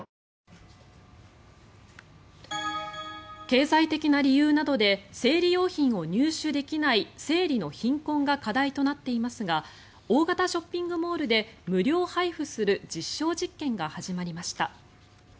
経済的な理由などで生理用品を入手できない生理の貧困が課題となっていますが大型ショッピングモールで無料配布する実証実験が始まりました。